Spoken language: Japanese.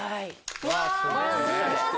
うわすごい。